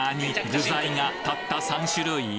具材がたった３種類？